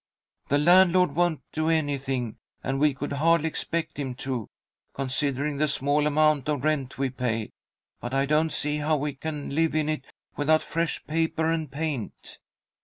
The landlord won't do anything, and we could hardly expect him to, considering the small amount of rent we pay, but I don't see how we can live in it without fresh paper and paint."